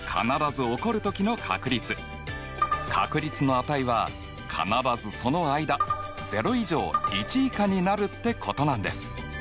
つまり確率の値は必ずその間０以上１以下になるってことなんです。